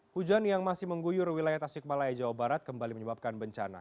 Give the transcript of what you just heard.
hujan yang masih mengguyur wilayah tasikmalaya jawa barat kembali menyebabkan bencana